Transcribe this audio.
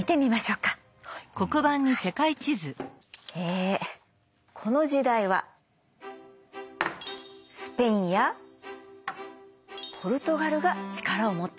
えこの時代はスペインやポルトガルが力を持っていました。